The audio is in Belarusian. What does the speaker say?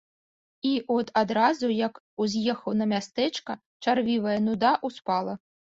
І от адразу, як уз'ехаў на мястэчка, чарвівая нуда ўспала.